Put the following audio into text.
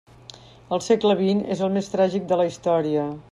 El segle vint és el més tràgic de la història.